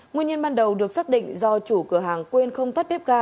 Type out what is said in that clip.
nguyên nhân ban đầu được xác định do chủ cửa hàng quên không tắt bếp ga